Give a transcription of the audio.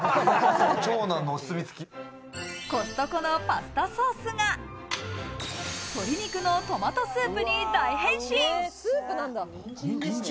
コストコのパスタソースが、鶏肉のトマトスープに大変身。